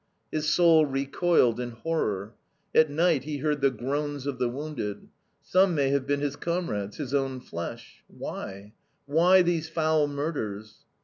His soul recoiled in horror. At night he heard the groans of the wounded. Some may have been his comrades, his own flesh. Why, why these foul murders?